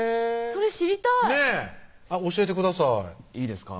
それ知りたいねぇ教えてくださいいいですか？